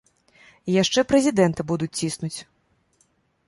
І яшчэ прэзідэнта будуць ціснуць.